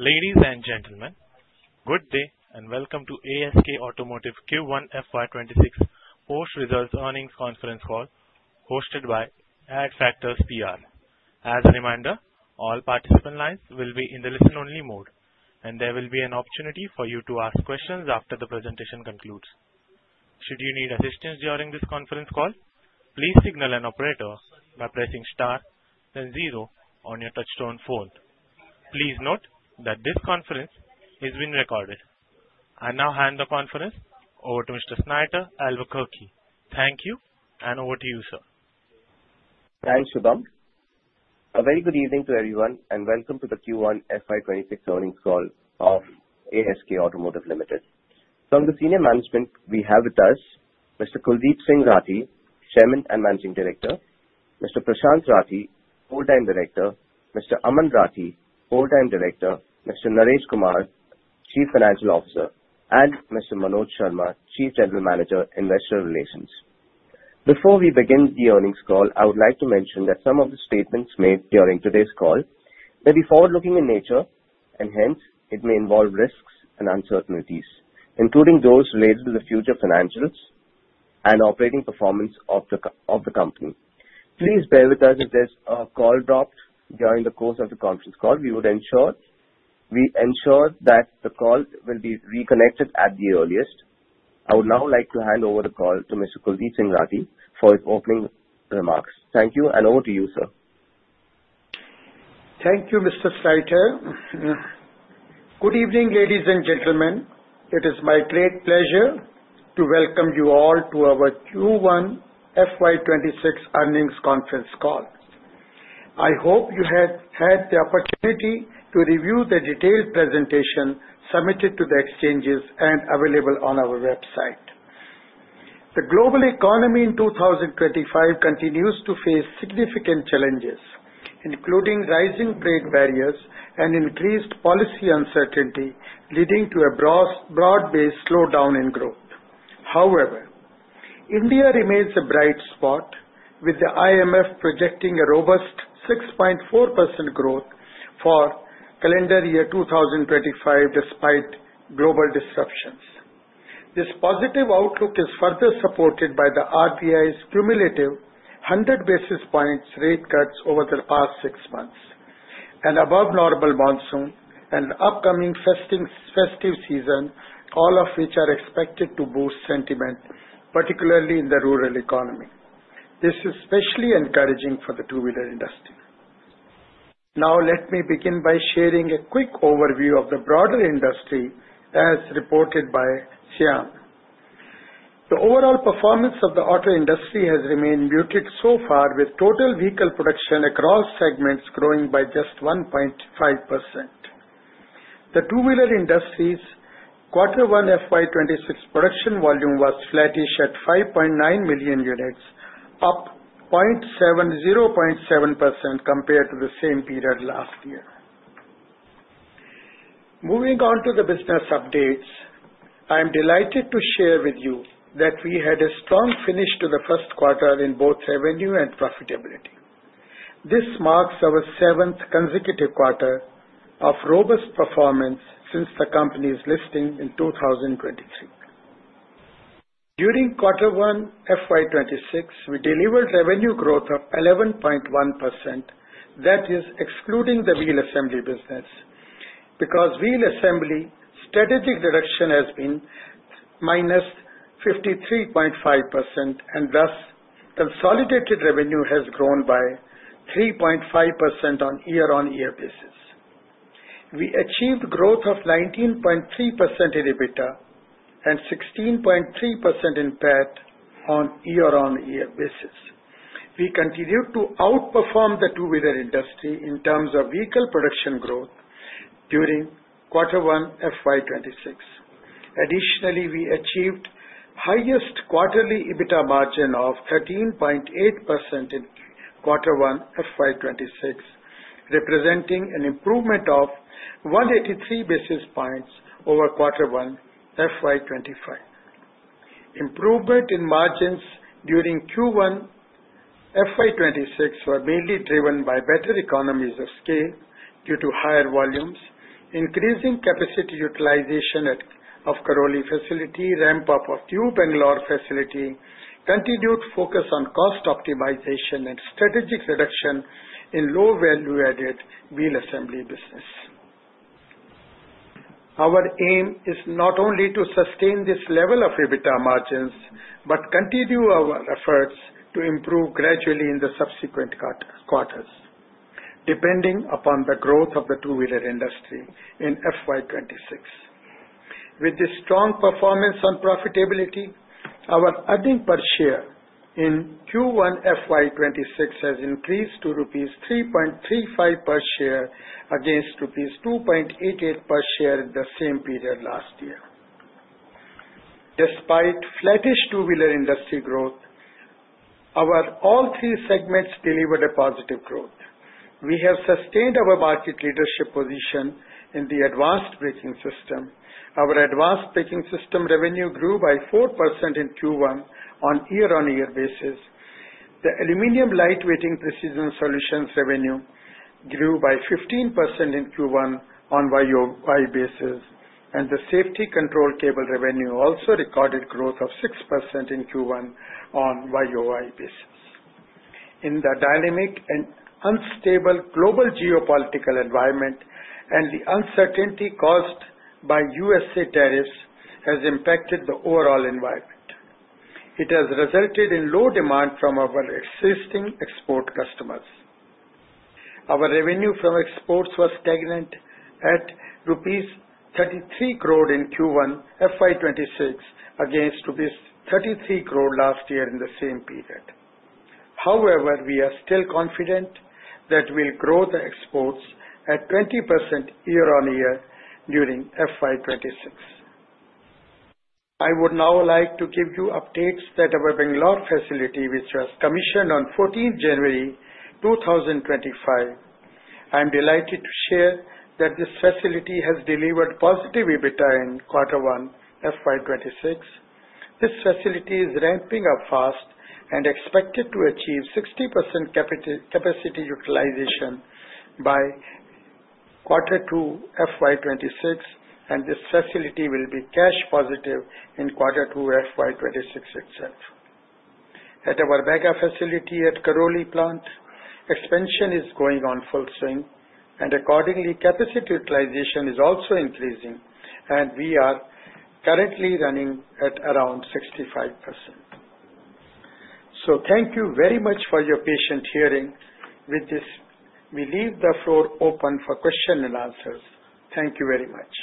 Ladies and gentlemen, good day and welcome to ASK Automotive Q1 FY26 Post-Results Earnings Conference Call, hosted by Adfactors PR. As a reminder, all participant lines will be in the listen-only mode, and there will be an opportunity for you to ask questions after the presentation concludes. Should you need assistance during this conference call, please signal an operator by pressing star, then zero on your touch-tone phone. Please note that this conference is being recorded. I now hand the conference over to Mr. Snighter Albuquerque. Thank you, and over to you, sir. Thanks, Shubham. A very good evening to everyone, and welcome to the Q1 FY26 Earnings Call of ASK Automotive Limited. From the senior management, we have with us Mr. Kuldip Singh Rathee, Chairman and Managing Director, Mr. Prashant Rathee, Full-Time Director, Mr. Aman Rathee, Full-Time Director, Mr. Naresh Kumar, Chief Financial Officer, and Mr. Manoj Sharma, Chief General Manager, Investor Relations. Before we begin the earnings call, I would like to mention that some of the statements made during today's call may be forward-looking in nature, and hence, it may involve risks and uncertainties, including those related to the future financials and operating performance of the company. Please bear with us if there's a call dropped during the course of the conference call. We would ensure that the call will be reconnected at the earliest. I would now like to hand over the call to Mr. Kuldip Singh Rathee for his opening remarks. Thank you, and over to you, sir. Thank you, Mr. Snighter. Good evening, ladies and gentlemen. It is my great pleasure to welcome you all to our Q1 FY26 Earnings Conference Call. I hope you have had the opportunity to review the detailed presentation submitted to the exchanges and available on our website. The global economy in 2025 continues to face significant challenges, including rising trade barriers and increased policy uncertainty, leading to a broad-based slowdown in growth. However, India remains a bright spot, with the IMF projecting a robust 6.4% growth for calendar year 2025 despite global disruptions. This positive outlook is further supported by the RBI's cumulative 100 basis points rate cuts over the past six months, an above-normal monsoon, and an upcoming festive season, all of which are expected to boost sentiment, particularly in the rural economy. This is especially encouraging for the two-wheeler industry. Now, let me begin by sharing a quick overview of the broader industry, as reported by SIAM. The overall performance of the auto industry has remained muted so far, with total vehicle production across segments growing by just 1.5%. The two-wheeler industry's Q1 FY26 production volume was flattish at 5.9 million units, up 0.7% compared to the same period last year. Moving on to the business updates, I am delighted to share with you that we had a strong finish to the first quarter in both revenue and profitability. This marks our seventh consecutive quarter of robust performance since the company's listing in 2023. During Q1 FY26, we delivered revenue growth of 11.1%, that is, excluding the Wheel Assembly business, because Wheel Assembly strategic direction has been minus 53.5%, and thus, consolidated revenue has grown by 3.5% on year-on-year basis. We achieved growth of 19.3% in EBITDA and 16.3% in PAT on year-on-year basis. We continued to outperform the two-wheeler industry in terms of vehicle production growth during Q1 FY26. Additionally, we achieved the highest quarterly EBITDA margin of 13.8% in Q1 FY26, representing an improvement of 183 basis points over Q1 FY25. Improvement in margins during Q1 FY26 were mainly driven by better economies of scale due to higher volumes, increasing capacity utilization of Karoli facility, ramp-up of new Bangalore facility, and continued focus on cost optimization and strategic reduction in low-value-added Wheel Assembly business. Our aim is not only to sustain this level of EBITDA margins but continue our efforts to improve gradually in the subsequent quarters, depending upon the growth of the two-wheeler industry in FY26. With this strong performance on profitability, our earnings per share in Q1 FY26 has increased to rupees 3.35 per share against rupees 2.88 per share in the same period last year. Despite flattish two-wheeler industry growth, our all three segments delivered a positive growth. We have sustained our market leadership position in the Advanced Braking System. Our Advanced Braking System revenue grew by 4% in Q1 on year-on-year basis. The Aluminium Lightweighting Precision Solutions revenue grew by 15% in Q1 on YoY basis. And the Safety Control Cable revenue also recorded growth of 6% in Q1 on YoY basis. In the dynamic and unstable global geopolitical environment, the uncertainty caused by USA tariffs has impacted the overall environment. It has resulted in low demand from our existing export customers. Our revenue from exports was stagnant at rupees 33 crore in Q1 FY26 against rupees 33 crore last year in the same period. However, we are still confident that we'll grow the exports at 20% year-on-year during FY26. I would now like to give you updates that our Bangalore facility, which was commissioned on 14 January 2025. I am delighted to share that this facility has delivered positive EBITDA in Q1 FY26. This facility is ramping up fast and expected to achieve 60% capacity utilization by Q2 FY26, and this facility will be cash positive in Q2 FY26 itself. At our mega facility at Karoli plant, expansion is going on full swing, and accordingly, capacity utilization is also increasing, and we are currently running at around 65%. So thank you very much for your patient hearing. With this, we leave the floor open for questions and answers. Thank you very much.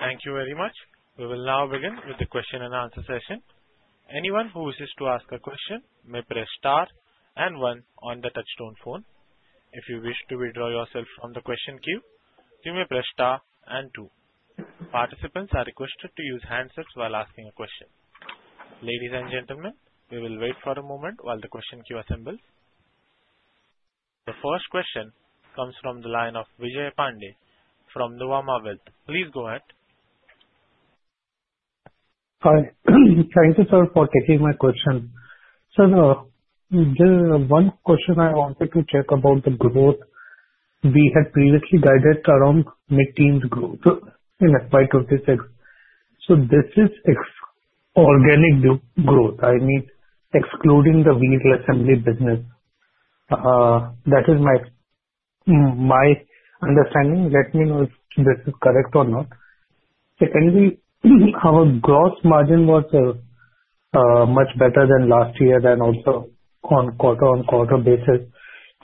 Thank you very much. We will now begin with the question and answer session. Anyone who wishes to ask a question may press Star and 1 on the touch-tone phone. If you wish to withdraw yourself from the question queue, you may press star and two. Participants are requested to use handsets while asking a question. Ladies and gentlemen, we will wait for a moment while the question queue assembles. The first question comes from the line of Vijay Pandey from Nuvama Wealth. Please go ahead. Hi. Thank you, sir, for taking my question. Sir, just one question I wanted to check about the growth we had previously guided around mid-teens growth in FY26. So this is organic growth. I mean, excluding the Wheel Assembly business. That is my understanding. Let me know if this is correct or not. Secondly, our gross margin was much better than last year and also on quarter-on-quarter basis.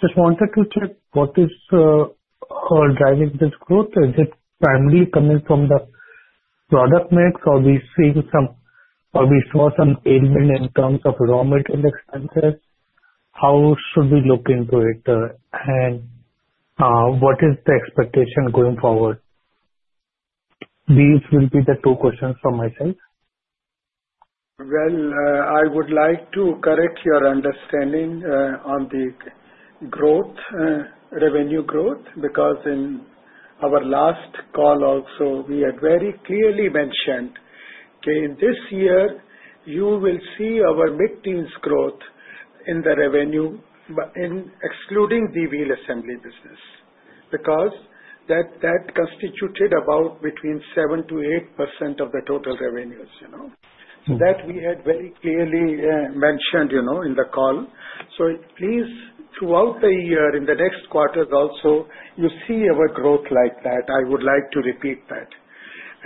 Just wanted to check what is driving this growth. Is it primarily coming from the product mix, or are we seeing some easing in terms of raw material expenses? How should we look into it, and what is the expectation going forward? These will be the two questions from my side. I would like to correct your understanding on the growth, revenue growth, because in our last call also, we had very clearly mentioned that this year, you will see our mid-teens growth in the revenue, excluding the Wheel Assembly business, because that constituted about between 7%-8% of the total revenues, so that we had very clearly mentioned in the call, so please, throughout the year, in the next quarters also, you see our growth like that. I would like to repeat that,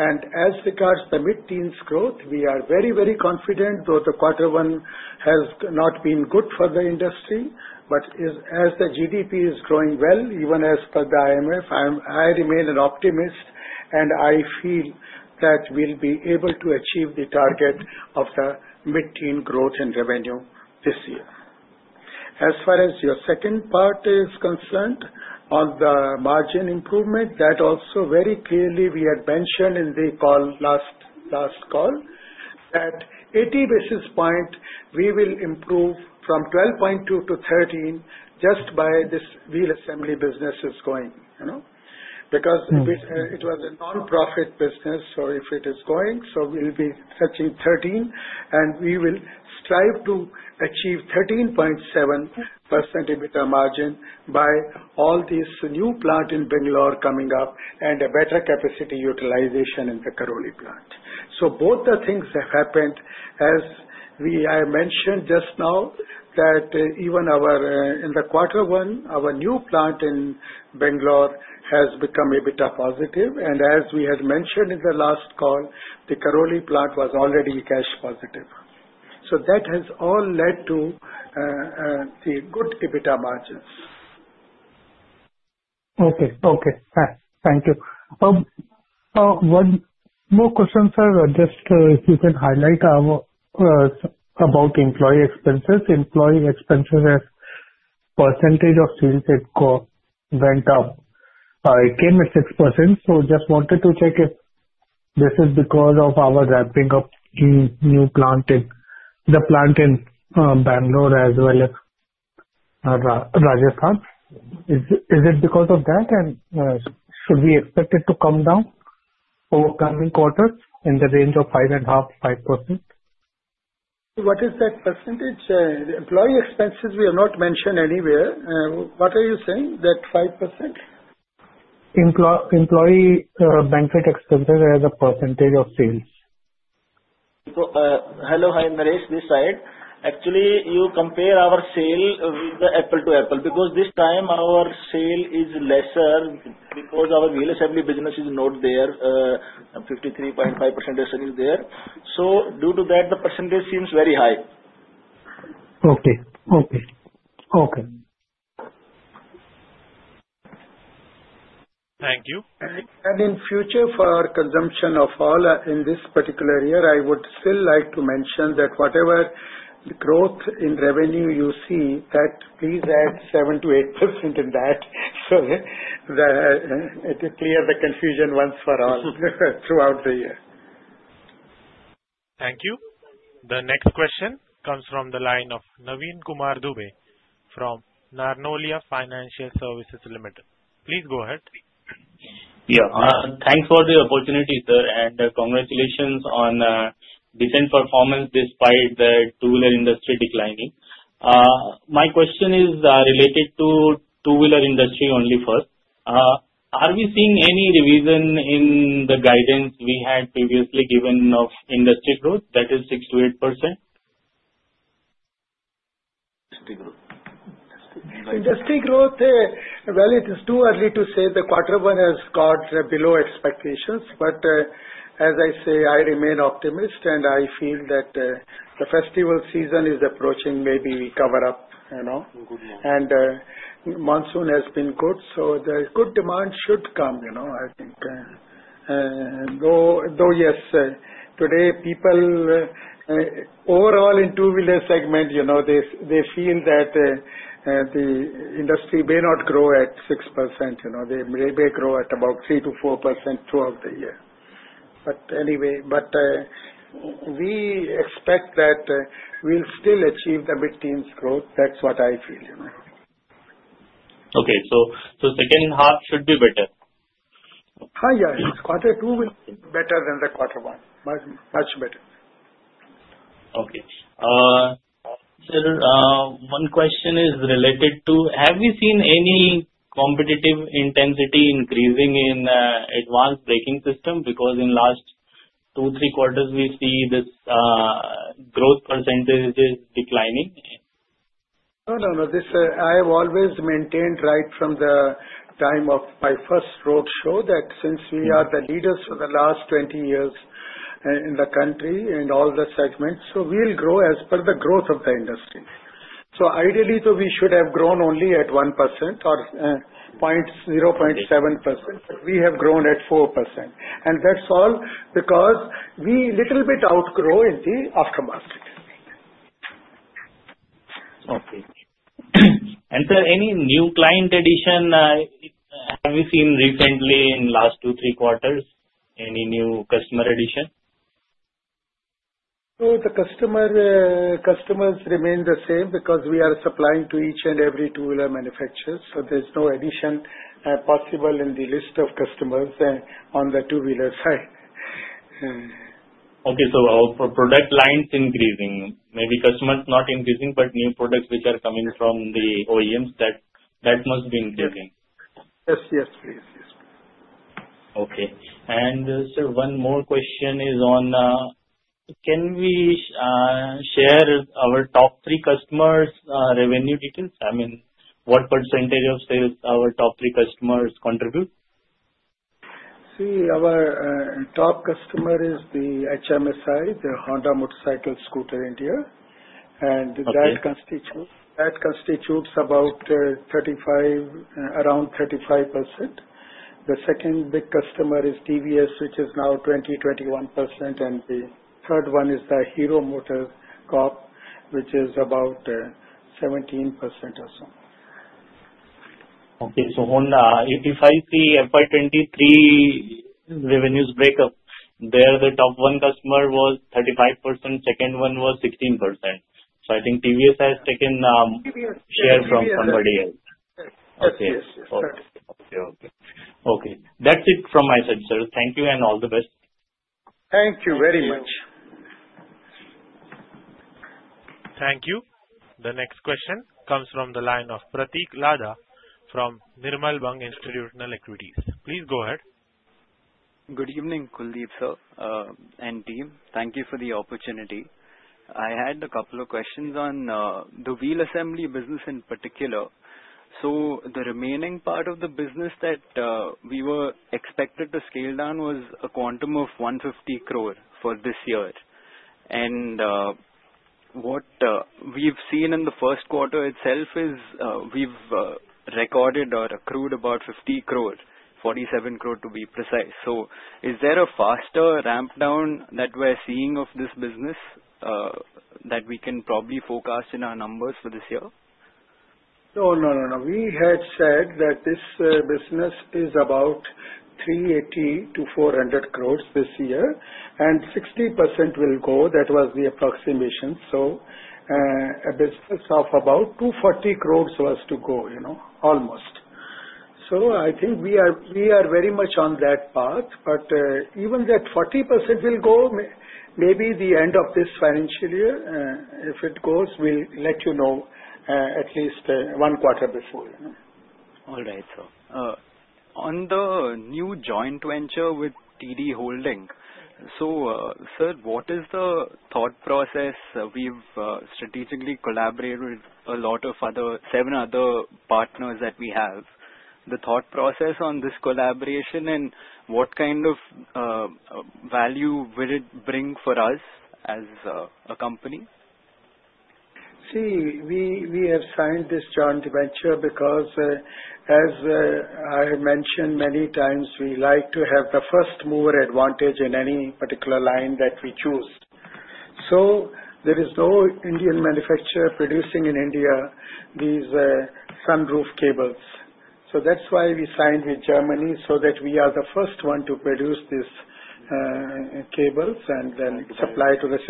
and as regards the mid-teens growth, we are very, very confident, though the Q1 has not been good for the industry, but as the GDP is growing well, even as per the IMF, I remain an optimist, and I feel that we'll be able to achieve the target of the mid-teens growth in revenue this year. As far as your second part is concerned on the margin improvement, that also very clearly we had mentioned in the last call that 80 basis points we will improve from 12.2% to 13% just by this Wheel Assembly business is going, because it was a nonprofit business. So if it is going, so we'll be touching 13%, and we will strive to achieve 13.7% EBITDA margin by all these new plants in Bangalore coming up and a better capacity utilization in the Karoli plant. So both the things have happened. As I mentioned just now, that even in Q1, our new plant in Bangalore has become EBITDA positive. And as we had mentioned in the last call, the Karoli plant was already cash positive. So that has all led to good EBITDA margins. Okay. Thank you. One more question, sir, just if you can highlight about employee expenses. Employee expenses as percentage of sales at core went up. It came at 6%. So just wanted to check if this is because of our ramping up new plant in Bangalore as well as Rajasthan. Is it because of that, and should we expect it to come down over coming quarters in the range of 5.5%? What is that percentage? Employee expenses, we have not mentioned anywhere. What are you saying? That 5%? Employee benefit expenses as a of sales. Hello. Hi, Naresh this side. Actually, you compare our sales with the apple-to-apple because this time, our sales is lesser because our Wheel Assembly business is not there. 53.5% is there. So due to that, the percentage seems very high. Okay. Okay. Okay. Thank you. And in future, for consumption of all in this particular year, I would still like to mention that whatever growth in revenue you see, that please add 7%-8% in that. So to clear the confusion once and for all throughout the year. Thank you. The next question comes from the line of Naveen Kumar Dubey from Narnolia Financial Services Limited. Please go ahead. Yeah. Thanks for the opportunity, sir, and congratulations on decent performance despite the two-wheeler industry declining. My question is related to two-wheeler industry only first. Are we seeing any revision in the guidance we had previously given of industry growth, that is 6%-8%? Industry growth. Well, it is too early to say the Q1 has got below expectations. But as I say, I remain optimistic, and I feel that the festival season is approaching. Maybe we cover up. And monsoon has been good, so the good demand should come, I think. Though, yes, today, people overall in two-wheeler segment, they feel that the industry may not grow at 6%. They may grow at about 3%-4% throughout the year. But anyway, we expect that we'll still achieve the mid-teens growth. That's what I feel. Okay, so second half should be better? Hi, yeah. Q2 will be better than Q1. Much better. Okay. One question is related to have we seen any competitive intensity increasing in Advanced Braking System? Because in last two, three quarters, we see this growth percentage is declining. No, no, no. I have always maintained right from the time of my first road show that since we are the leaders for the last 20 years in the country in all the segments, so we'll grow as per the growth of the industry. So ideally, we should have grown only at 1% or 0.7%, but we have grown at 4%. And that's all because we a little bit outgrow in the aftermarket. Okay. And sir, any new client addition have we seen recently in last two, three quarters? Any new customer addition? So the customers remain the same because we are supplying to each and every two-wheeler manufacturer. So there's no addition possible in the list of customers on the two-wheeler side. Okay. So product lines increasing. Maybe customers not increasing, but new products which are coming from the OEMs, that must be increasing. Yes. Yes, please. Yes, please. Okay. And sir, one more question is, can we share our top three customers' revenue details? I mean, what percentage of sales our top three customers contribute? See, our top customer is the HMSI, the Honda Motorcycle and Scooter India. And that constitutes about around 35%. The second big customer is TVS, which is now 20%, 21%. And the third one is the Hero MotoCorp, which is about 17% or so. Okay. So if I see FY23 revenues breakup, there the top one customer was 35%. Second one was 16%. So I think TVS has taken share from somebody else. Yes. Yes, yes, yes. Okay. That's it from my side, sir. Thank you, and all the best. Thank you very much. Thank you. The next question comes from the line of Prateek Ladha from Nirmal Bang Institutional Equities. Please go ahead. Good evening, Kuldeep sir and team. Thank you for the opportunity. I had a couple of questions on the Wheel Assembly business in particular. So the remaining part of the business that we were expected to scale down was a quantum of 150 crore for this year. And what we've seen in the first quarter itself is we've recorded or accrued about 50 crore, 47 crore to be precise. So is there a faster ramp down that we're seeing of this business that we can probably forecast in our numbers for this year? No, no, no, no. We had said that this business is about 380-400 crores this year, and 60% will go. That was the approximation. So a business of about 240 crores was to go, almost. So I think we are very much on that path. But even that 40% will go, maybe the end of this financial year, if it goes, we'll let you know at least one quarter before. All right, sir. On the new joint venture with TD Holding, so sir, what is the thought process? We've strategically collaborated with a lot of seven other partners that we have. The thought process on this collaboration and what kind of value will it bring for us as a company? See, we have signed this joint venture because, as I mentioned many times, we like to have the first-mover advantage in any particular line that we choose. So there is no Indian manufacturer producing in India these sunroof cables. So that's why we signed with Germany so that we are the first one to produce these cables and then supply to the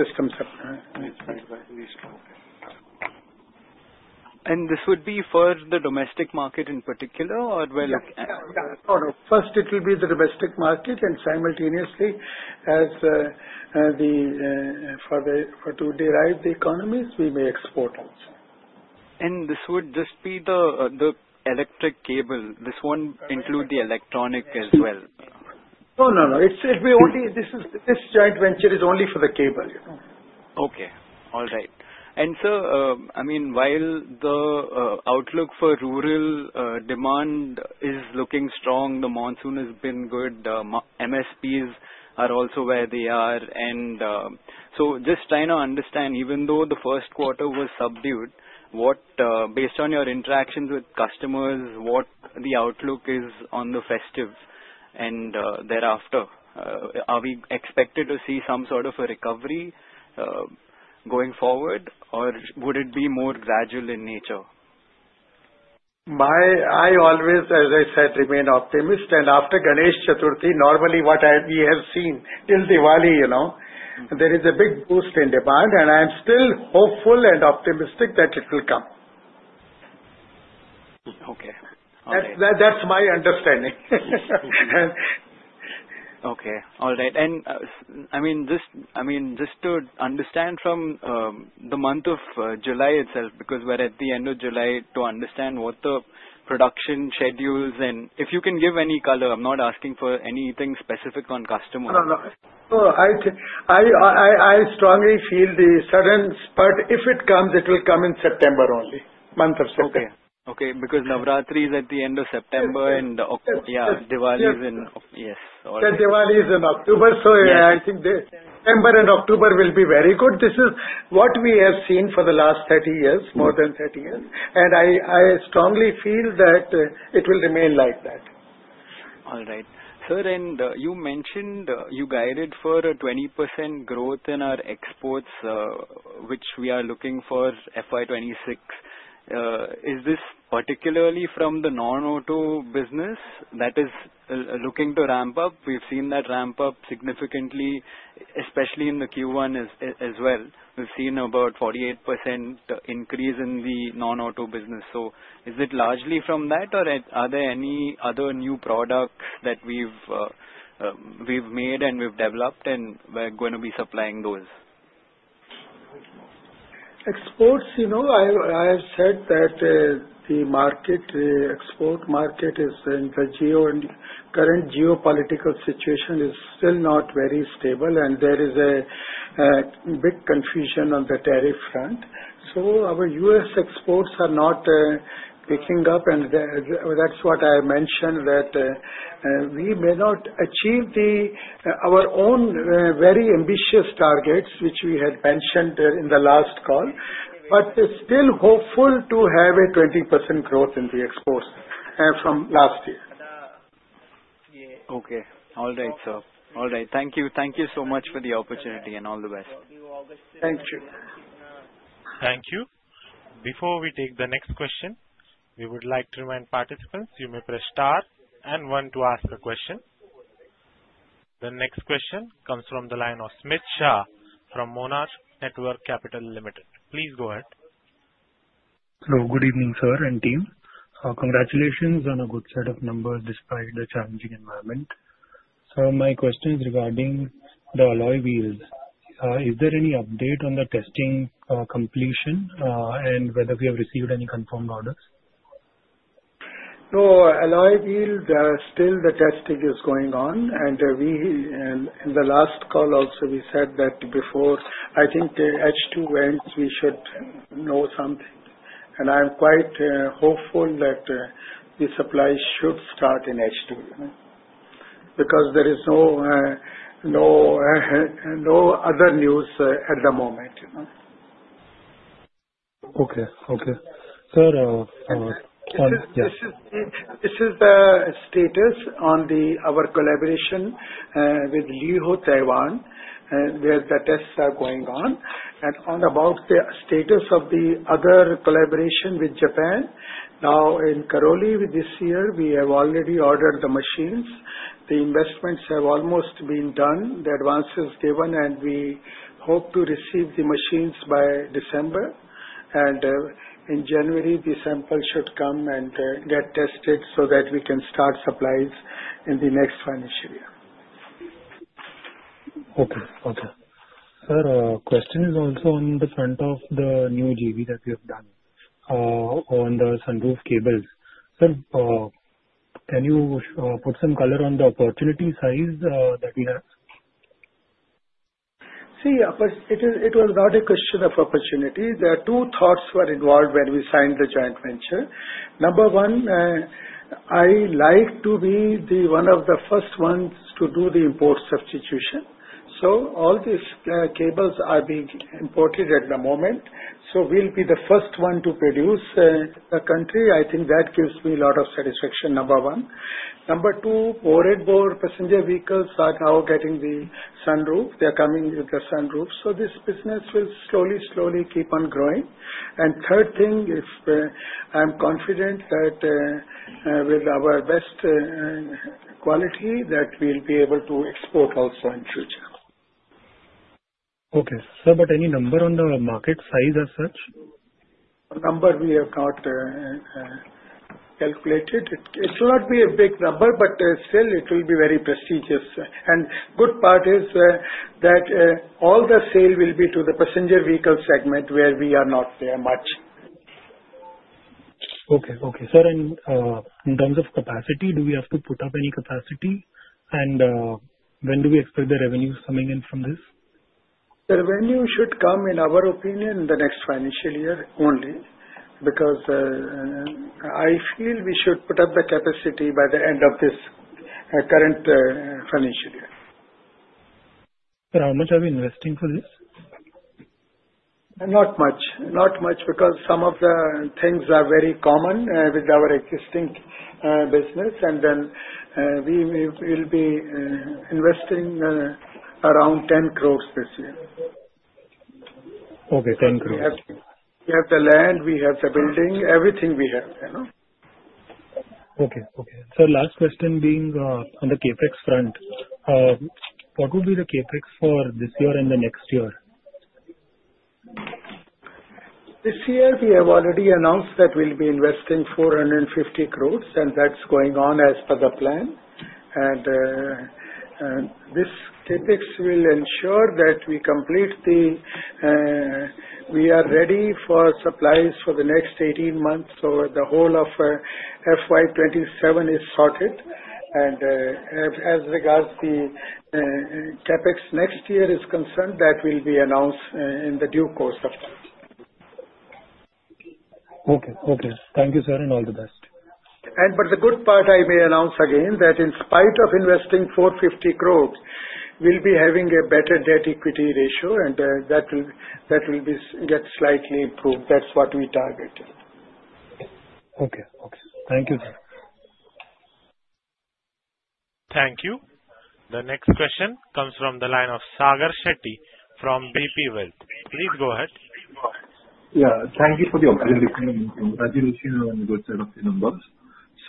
systems. This would be for the domestic market in particular, or will it? Yeah. No, no. First, it will be the domestic market, and simultaneously, for to derive the economies, we may export also. This would just be the electric cable. This won't include the electronic as well. No, no, no. This joint venture is only for the cable. Okay. All right. And sir, I mean, while the outlook for rural demand is looking strong, the monsoon has been good, MSPs are also where they are. And so just trying to understand, even though the first quarter was subdued, based on your interactions with customers, what the outlook is on the festives and thereafter? Are we expected to see some sort of a recovery going forward, or would it be more gradual in nature? I always, as I said, remain optimistic, and after Ganesh Chaturthi, normally what we have seen till Diwali, there is a big boost in demand, and I'm still hopeful and optimistic that it will come. Okay. All right. That's my understanding. Okay. All right. And I mean, just to understand from the month of July itself, because we're at the end of July, to understand what the production schedules and if you can give any color, I'm not asking for anything specific on customers. No, no. I strongly feel the sudden. But if it comes, it will come in September only, month of September. Okay. Okay. Because Navratri is at the end of September, and yeah, Diwali is in. Yeah. Diwali is in October. So I think September and October will be very good. This is what we have seen for the last 30 years, more than 30 years. And I strongly feel that it will remain like that. All right. Sir, and you mentioned you guided for a 20% growth in our exports, which we are looking for FY26. Is this particularly from the non-auto business that is looking to ramp up? We've seen that ramp up significantly, especially in the Q1 as well. We've seen about 48% increase in the non-auto business. So is it largely from that, or are there any other new products that we've made and we've developed, and we're going to be supplying those? Exports, I have said that the market, the export market, in the current geopolitical situation, is still not very stable, and there is a big confusion on the tariff front. So our U.S. exports are not picking up. And that's what I mentioned, that we may not achieve our own very ambitious targets, which we had mentioned in the last call, but still hopeful to have a 20% growth in the exports from last year. Okay. All right, sir. All right. Thank you. Thank you so much for the opportunity and all the best. Thank you. Thank you. Before we take the next question, we would like to remind participants you may press star and one to ask a question. The next question comes from the line of Smit Shah from Monarch Networth Capital Limited. Please go ahead. Hello. Good evening, sir and team. Congratulations on a good set of numbers despite the challenging environment. Sir, my question is regarding the alloy wheels. Is there any update on the testing completion and whether we have received any confirmed orders? No. Alloy wheel, still the testing is going on. And in the last call also, we said that before I think H2 ends, we should know something. And I'm quite hopeful that the supply should start in H2 because there is no other news at the moment. Okay. Okay. Sir, yeah. This is the status on our collaboration with Lio Ho Taiwan, where the tests are going on, and on about the status of the other collaboration with Japan, now in Karoli, this year, we have already ordered the machines. The investments have almost been done. The advance is given, and we hope to receive the machines by December, and in January, the sample should come and get tested so that we can start supplies in the next financial year. Okay. Sir, question is also on the front of the new JV that we have done on the sunroof cables. Sir, can you put some color on the opportunity size that we have? See, it was not a question of opportunity. There are two thoughts were involved when we signed the joint venture. Number one, I like to be one of the first ones to do the import substitution. So all these cables are being imported at the moment. So we'll be the first one to produce in the country. I think that gives me a lot of satisfaction, number one. Number two, more and more passenger vehicles are now getting the sunroof. They're coming with the sunroof. So this business will slowly, slowly keep on growing. And third thing, I'm confident that with our best quality, that we'll be able to export also in the future. Okay. Sir, but any number on the market size as such? Number we have not calculated. It will not be a big number, but still, it will be very prestigious and good part is that all the sale will be to the passenger vehicle segment, where we are not there much. Okay. Okay. Sir, and in terms of capacity, do we have to put up any capacity? And when do we expect the revenues coming in from this? The revenue should come, in our opinion, in the next financial year only because I feel we should put up the capacity by the end of this current financial year. Sir, how much are we investing for this? Not much. Not much because some of the things are very common with our existing business. And then we will be investing around 10 crore this year. Okay. 10 crores. We have the land, we have the building, everything we have. Okay. Okay. Sir, last question being on the CapEx front. What will be the CapEx for this year and the next year? This year, we have already announced that we'll be investing 450 crores, and that's going on as per the plan. This CapEx will ensure that we are ready for supplies for the next 18 months or the whole of FY27 is sorted. As regards the CapEx next year is concerned, that will be announced in the due course of time. Okay. Okay. Thank you, sir, and all the best. The good part I may announce again that in spite of investing 450 crores, we'll be having a better debt-equity ratio, and that will get slightly improved. That's what we target. Okay. Thank you, sir. Thank you. The next question comes from the line of Sagar Shetty from BP Wealth. Please go ahead. Yeah. Thank you for the opportunity. Congratulations on a good set of numbers.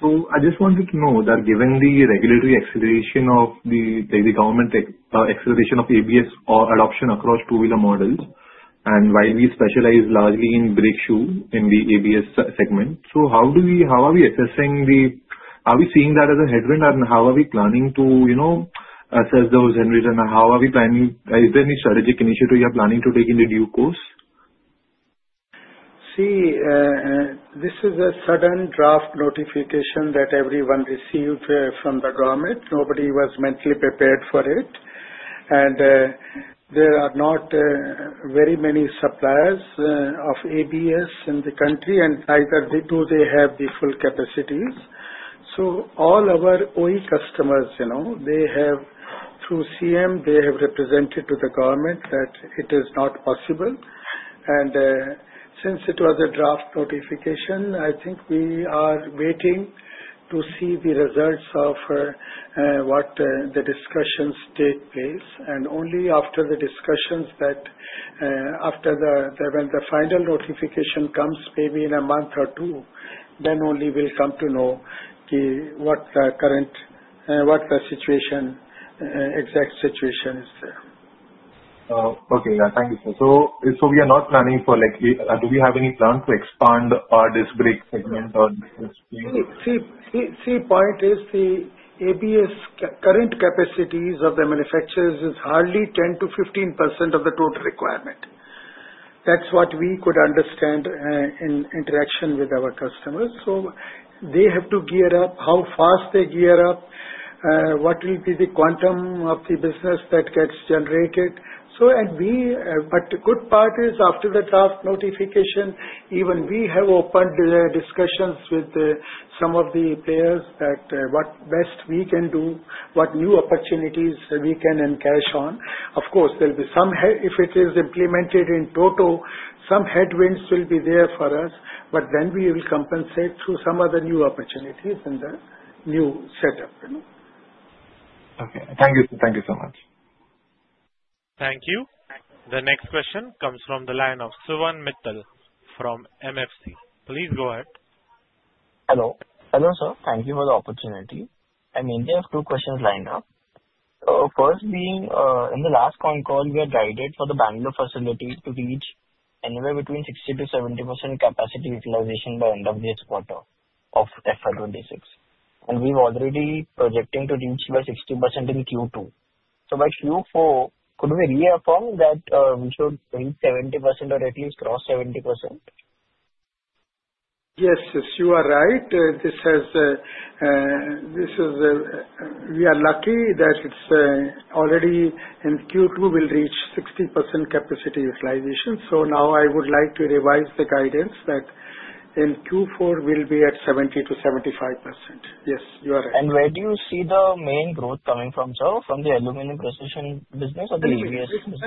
So I just wanted to know, given the regulatory acceleration of the government acceleration of ABS adoption across two-wheeler models, and while we specialize largely in brake shoe in the ABS segment, so how are we assessing? Are we seeing that as a headwind, and how are we planning to assess those headwinds? Is there any strategic initiative you are planning to take in due course? See, this is a sudden draft notification that everyone received from the government. Nobody was mentally prepared for it. And there are not very many suppliers of ABS in the country, and neither do they have the full capacities. So all our OE customers, they have through CM represented to the government that it is not possible. And since it was a draft notification, I think we are waiting to see the results of what the discussions take place. And only after the discussions when the final notification comes, maybe in a month or two, then only we'll come to know what the current exact situation is there. Okay. Yeah. Thank you, sir. So, do we have any plan to expand this brake segment or this brake? See, the point is the ABS current capacities of the manufacturers is hardly 10%-15% of the total requirement. That's what we could understand in interaction with our customers. So they have to gear up how fast they gear up, what will be the quantum of the business that gets generated. So, the good part is after the draft notification, even we have opened discussions with some of the players that what best we can do, what new opportunities we can encash on. Of course, there'll be some if it is implemented in toto, some headwinds will be there for us, but then we will compensate through some other new opportunities in the new setup. Okay. Thank you. Thank you so much. Thank you. The next question comes from the line of Suvaan Mittal from MFC. Please go ahead. Hello. Hello, sir. Thank you for the opportunity. I mean, we have two questions lined up. So first being, in the last con call, we are guided for the Bangalore facility to reach anywhere between 60%-70% capacity utilization by end of this quarter of FY26. And we've already projected to reach by 60% in Q2. So by Q4, could we reaffirm that we should reach 70% or at least cross 70%? Yes. You are right. This is, we are lucky that it's already in Q2, we'll reach 60% capacity utilization. So now I would like to revise the guidance that in Q4, we'll be at 70%-75%. Yes. You are right. Where do you see the main growth coming from, sir? From the aluminum precision business or the ABS business?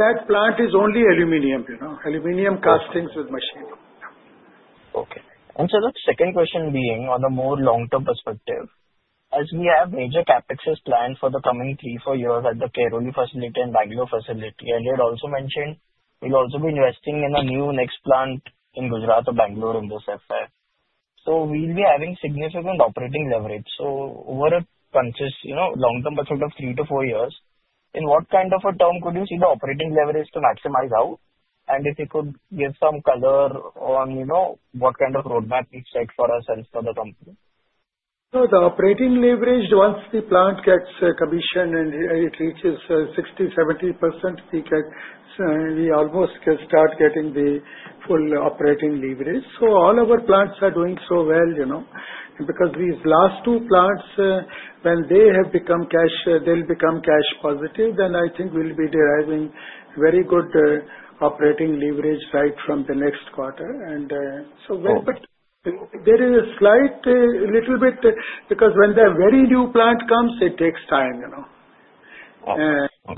That plant is only aluminum. Aluminum castings with machine. Okay. Sir, the second question being on the more long-term perspective, as we have major CapExes planned for the coming three, four years at the Karoli facility and Bangalore facility, I did also mention we'll also be investing in a new next plant in Gujarat or Bangalore in this FY. We'll be having significant operating leverage. Over a consistent long-term perspective of three to four years, in what kind of a term could you see the operating leverage to maximize out, and if you could give some color on what kind of roadmap we've set for ourselves for the company? So the operating leverage, once the plant gets commissioned and it reaches 60%-70%, we almost can start getting the full operating leverage. So all our plants are doing so well. Because these last two plants, when they have become cash, they'll become cash positive. Then I think we'll be deriving very good operating leverage right from the next quarter. And so there is a slight little bit because when the very new plant comes, it takes time. Okay. Okay. That's all. All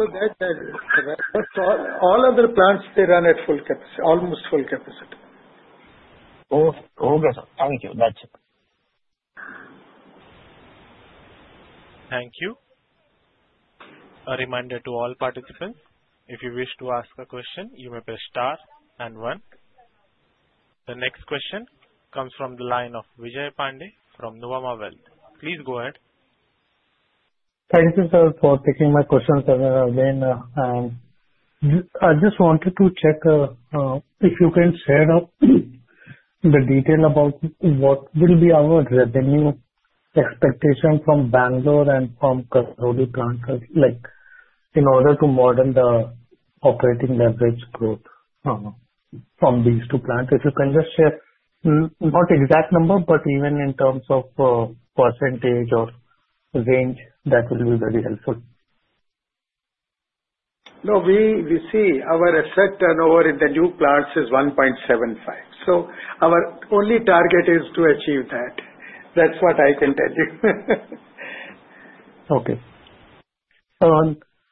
other plants, they run at almost full capacity. Okay. Thank you. That's it. Thank you. A reminder to all participants, if you wish to ask a question, you may press star and one. The next question comes from the line of Vijay Pandey from Nuvama Wealth. Please go ahead. Thank you, sir, for taking my questions again. And I just wanted to check if you can share the details about what will be our revenue expectation from Bangalore and from Karoli plant in order to monitor the operating leverage growth from these two plants. If you can just share not exact number, but even in terms of percentage or range, that will be very helpful. No. We see our EBITDA over in the new plants is 1.75. So our only target is to achieve that. That's what I can tell you. Okay, so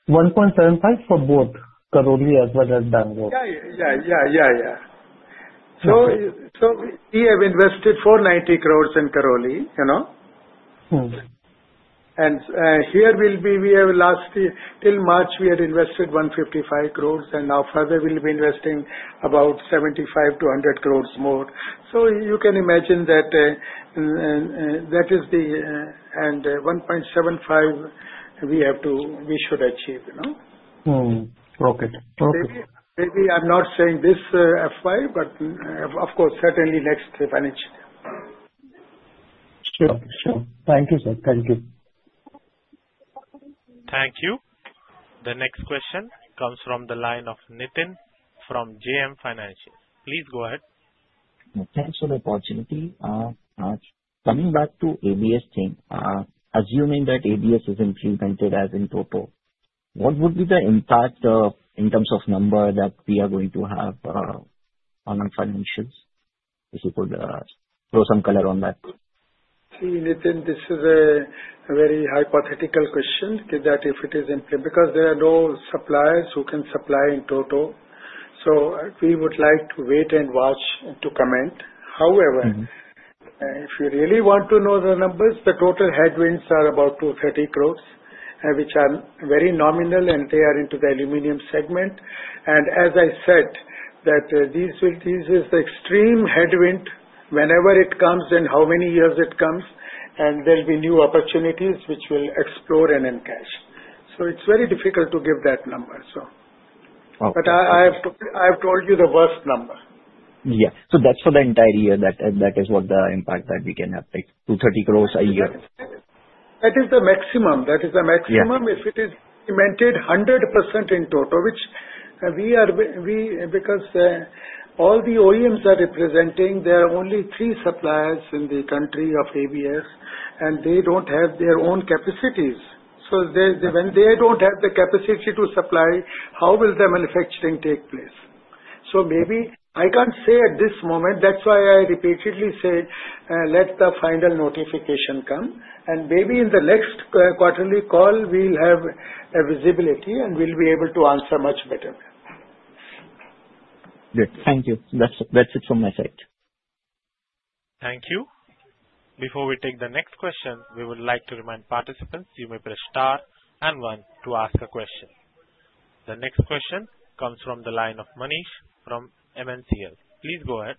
1.75 for both Karoli as well as Bangalore? Yeah. So we have invested 490 crores in Karoli. And here will be we have last till March, we had invested 155 crores, and now further we'll be investing about 75-100 crores more. So you can imagine that is the and 1.75 we should achieve. Okay. Okay. Maybe I'm not saying this FY, but of course, certainly next financial year. Sure. Sure. Thank you, sir. Thank you. Thank you. The next question comes from the line of Nitin from JM Financial. Please go ahead. Thanks for the opportunity. Coming back to ABS team, assuming that ABS is implemented as in toto, what would be the impact in terms of number that we are going to have on financials? If you could throw some color on that. See, Nitin, this is a very hypothetical question that if it is because there are no suppliers who can supply in toto. So we would like to wait and watch to comment. However, if you really want to know the numbers, the total headwinds are about 230 crores, which are very nominal, and they are into the aluminum segment. And as I said, that this is the extreme headwind whenever it comes and how many years it comes, and there'll be new opportunities which we'll explore and encash. So it's very difficult to give that number, sir. But I have told you the worst number. Yeah. So that's for the entire year. That is what the impact that we can have, like 230 crores a year. That is the maximum. That is the maximum. If it is implemented 100% in toto, which we are because all the OEMs are representing, there are only three suppliers in the country of ABS, and they don't have their own capacities. So when they don't have the capacity to supply, how will the manufacturing take place? Maybe I can't say at this moment. That's why I repeatedly say, let the final notification come, and maybe in the next quarterly call, we'll have a visibility, and we'll be able to answer much better. Good. Thank you. That's it from my side. Thank you. Before we take the next question, we would like to remind participants, you may press star and one to ask a question. The next question comes from the line of Manish from MNCL. Please go ahead.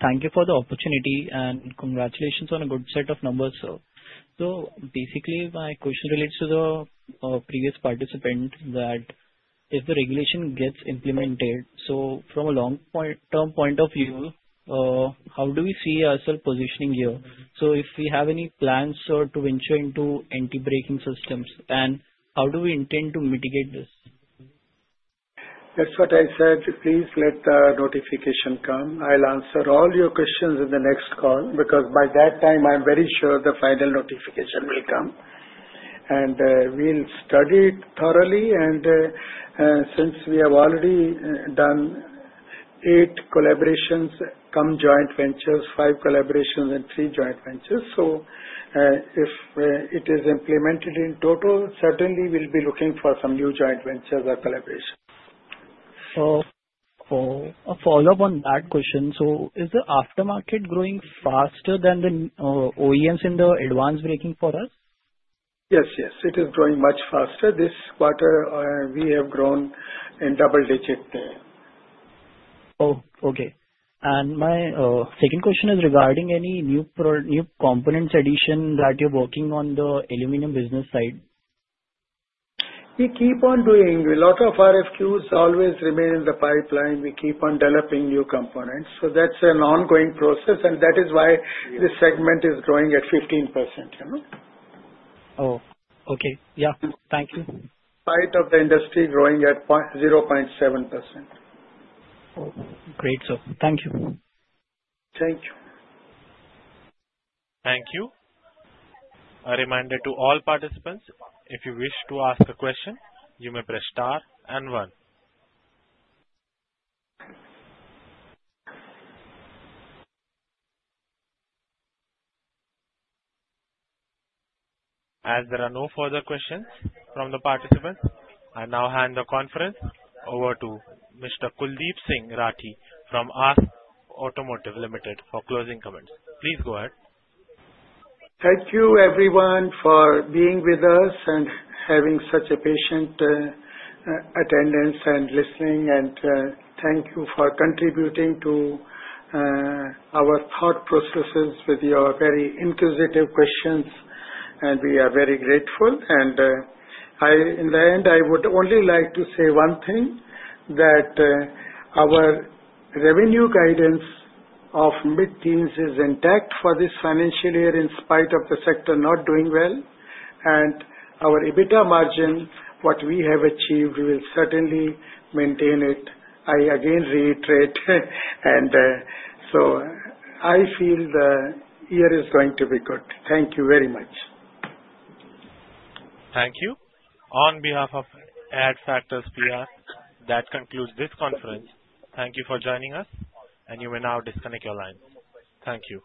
Thank you for the opportunity and congratulations on a good set of numbers, sir. So basically, my question relates to the previous participant that if the regulation gets implemented, so from a long-term point of view, how do we see ourselves positioning here? So if we have any plans to venture into anti-lock braking systems, and how do we intend to mitigate this? That's what I said. Please let the notification come. I'll answer all your questions in the next call because by that time, I'm very sure the final notification will come. And we'll study it thoroughly. And since we have already done eight collaborations cum joint ventures, five collaborations, and three joint ventures, so if it is implemented in total, certainly we'll be looking for some new joint ventures or collaborations. A follow-up on that question. Is the aftermarket growing faster than the OEMs in the advanced braking for us? Yes. Yes. It is growing much faster. This quarter, we have grown in double digit there. Oh, okay, and my second question is regarding any new components addition that you're working on the aluminum business side? We keep on doing. A lot of RFQs always remain in the pipeline. We keep on developing new components. So that's an ongoing process, and that is why the segment is growing at 15%. Oh, okay. Yeah. Thank you. Part of the industry growing at 0.7%. Oh, great, sir. Thank you. Thank you. Thank you. A reminder to all participants, if you wish to ask a question, you may press star and one. As there are no further questions from the participants, I now hand the conference over to Mr. Kuldeep Singh Rathi from ASK Automotive Limited for closing comments. Please go ahead. Thank you, everyone, for being with us and having such a patient attendance and listening. And thank you for contributing to our thought processes with your very inquisitive questions. And we are very grateful. And in the end, I would only like to say one thing, that our revenue guidance of mid-teens is intact for this financial year in spite of the sector not doing well. And our EBITDA margin, what we have achieved, we will certainly maintain it. I again reiterate. And so I feel the year is going to be good. Thank you very much. Thank you. On behalf of Adfactors PR, that concludes this conference. Thank you for joining us, and you may now disconnect your lines. Thank you.